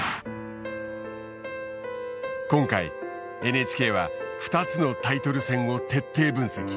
今回ＮＨＫは２つのタイトル戦を徹底分析。